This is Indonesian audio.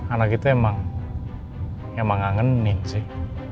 anak itu emang angenin sih